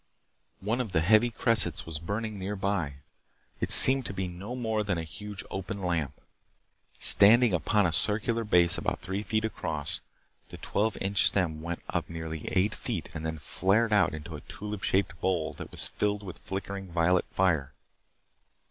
One of the heavy cressets was burning nearby. It seemed to be no more than a huge, open lamp. Standing upon a circular base about three feet across, the twelve inch stem went up nearly eight feet and then flared out into a tulip shaped bowl that was filled with flickering violet fire.